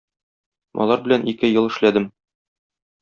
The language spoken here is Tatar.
Алар белән ике ел эшләдем.